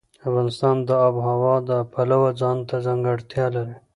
افغانستان د آب وهوا د پلوه ځانته ځانګړتیا لري.